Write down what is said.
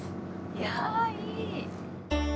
いやいい！